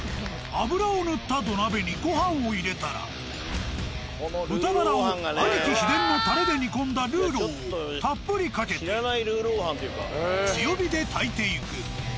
油を塗った土鍋にご飯を入れたら豚バラをアニキ秘伝のタレで煮込んだルーローをたっぷりかけて強火で炊いていく。